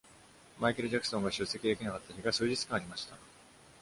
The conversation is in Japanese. マイケル・ジャクソンが出席できなかった日が数日間ありました。